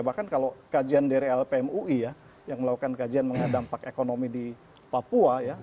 bahkan kalau kajian dari lpmui ya yang melakukan kajian mengenai dampak ekonomi di papua ya